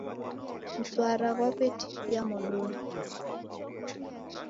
Mswara ghwaw'etifia modonyi